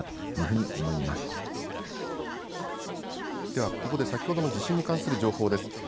ではここで先ほどの地震に関する情報です。